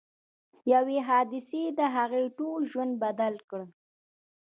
یوې حادثې د هغه ټول ژوند بدل کړ